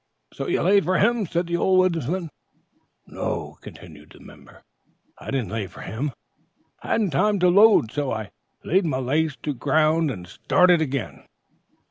"So you laid for him, and " gasped several. "No," continued the "member," "I didn't lay for him, I hadn't time to load, so I laid my legs to ground and started again.